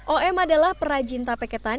om adalah perajin tape ketan